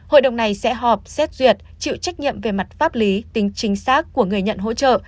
hội đồng này sẽ họp xét duyệt chịu trách nhiệm về mặt pháp lý tính chính xác của người nhận hỗ trợ